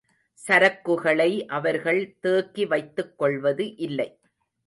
சரக்குகளை அவர்கள் தேக்கி வைத்துக் கொள்வது இல்லை.